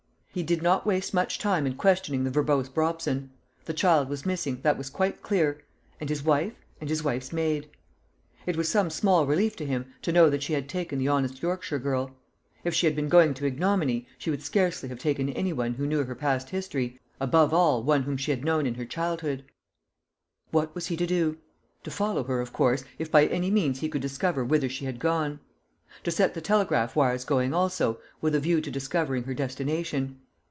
He did not waste much time in questioning the verbose Brobson. The child was missing that was quite clear and his wife, and his wife's maid. It was some small relief to him to know that she had taken the honest Yorkshire girl. If she had been going to ignominy, she would scarcely have taken any one who knew her past history, above all, one whom she had known in her childhood. What was he to do? To follow her, of course, if by any means he could discover whither she had gone. To set the telegraph wires going, also, with a view to discovering her destination.